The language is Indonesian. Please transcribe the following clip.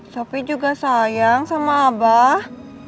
tapi juga sayang sama abah